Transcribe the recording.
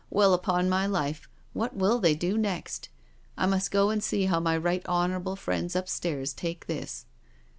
Well, upon my life, what will they do next I I must go and see how my right honourable friends upstairs take this."